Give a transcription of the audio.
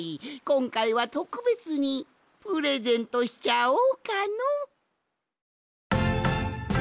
こんかいはとくべつにプレゼントしちゃおうかの。